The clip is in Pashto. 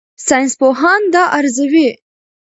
ساینسپوهان دا ارزوي.